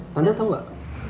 tante tau gak